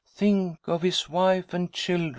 " Think of his wife and children